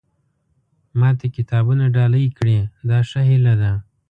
ما ته کتابونه ډالۍ کړي دا ښه هیله ده.